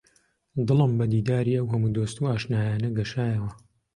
دڵم بە دیداری ئەو هەموو دۆست و ئاشنایانە گەشایەوە